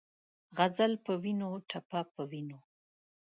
غزل پۀ وینو ، ټپه پۀ وینو